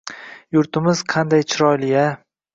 Yurtimiz qanday chiroyli-a